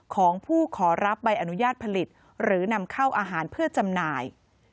ของผู้ขอรับใบอนุญาตผลิตหรือนำเข้าอาหารเพื่อจำหน่าย